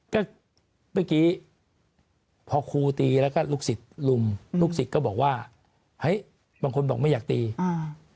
ก็เมื่อกี้พอครูตีแล้วก็ลูกศิษย์ลุมลูกศิษย์ก็บอกว่าเฮ้ยบางคนบอกไม่อยากตีอ่า